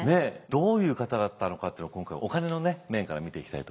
どういう方だったのかっていうのを今回お金の面から見ていきたいと思いますね。